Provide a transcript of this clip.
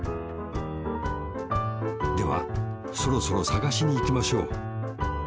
ではそろそろさがしにいきましょう。